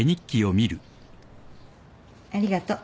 ありがとう。